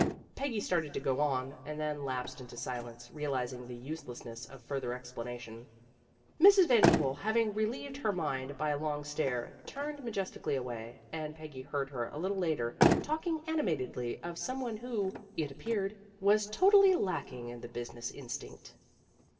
Peggy started to go on, and then lapsed into silence, realizing the uselessness of further explanations. Mrs. Vanderpool having re lieved her mind by a long stare, turned majestically away, and Peggy heard her a little later, talking animatedly of some one who, it appeared, was totally lacking in the business in stinct.